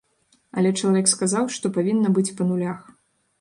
Але чалавек сказаў, што павінна быць па нулях.